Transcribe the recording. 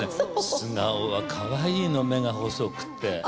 素顔はかわいいの目が細くって。